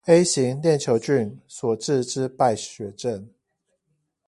A 型鏈球菌所致之敗血症